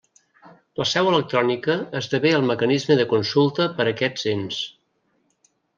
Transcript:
La seu electrònica esdevé el mecanisme de consulta per a aquests ens.